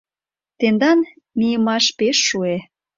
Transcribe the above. Тендан мийымаш пеш шуэ.